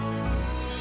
jangan s aman